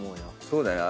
そうだね。